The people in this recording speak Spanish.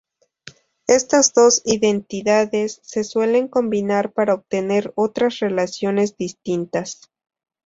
Estas dos identidades se suelen combinar para obtener otras relaciones distintas.